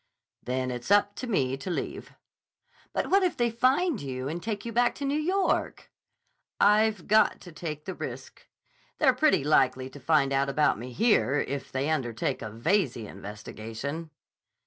"Then it's up to me to leave." "But what if they find you and take you back to New York?" "I've got to take the risk. They're pretty likely to find out about me here if they undertake a Veyze investigation."